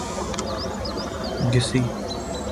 گسی